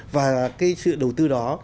và cái sự đầu tư đó